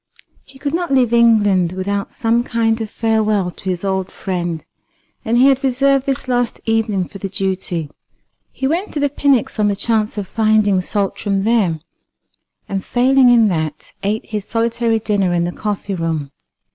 He could not leave England without some kind of farewell to his old friend, and he had reserved this last evening for the duty. He went to the Pnyx on the chance of finding Saltram there, and failing in that, ate his solitary dinner in the coffee room.